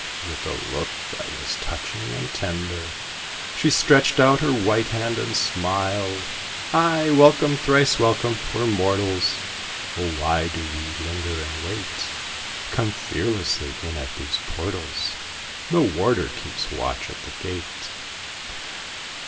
With a look that was touching and tender, She stretched out her white hand and smiled: "Ay, welcome, thrice welcome, poor mortals, O, why do ye linger and wait? Come fearlessly in at these portals No warder keeps watch at the gate!"